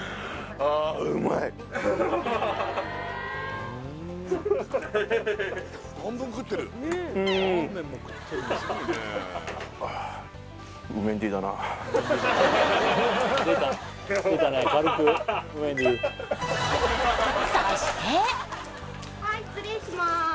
ああはい失礼します